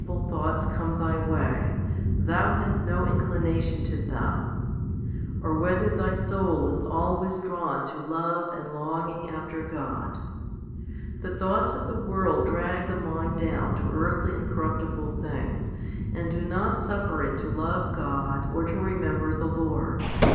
HOMILY XV 113 thoughts come thy way, thou hast no inclination to them, or whether thy soul is always drawn to love and long ing after God. The thoughts of the world drag the mind down to earthly and corruptible things, and do not suffer it to love God or to remember the Lord.